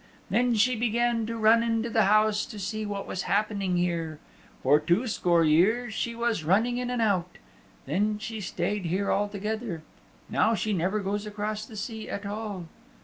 Then she began to run into the house to see what was happening here. For two score years she was running in and out. Then she stayed here altogether. Now she never goes across the sea at all.